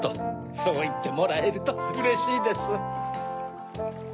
そういってもらえるとうれしいです。